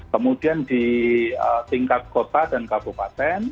kemudian di tingkat kota dan kabupaten